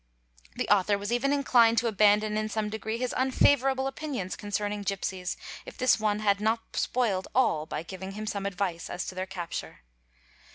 The author was even inclined to abandon in some degree his un favourable opinions concerning gipsies, if this one had not spoiled all by giving him some advice as to their capture.